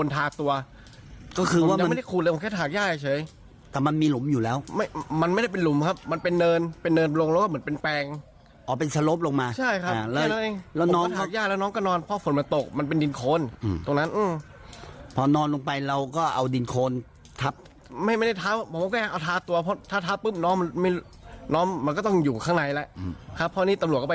ตอนนี้ตำรวจก็ไปที่เกิดเหตุแล้ว